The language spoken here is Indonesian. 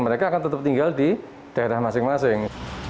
mereka akan tetap tinggal di daerah masing masing